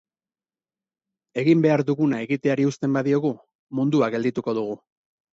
Egin behar duguna egiteari uzten badiogu, mundua geldituko dugu.